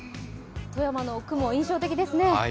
富山の雲、印象的ですね。